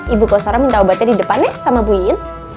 ibu kosora minta obatnya di depan ya sama bu yin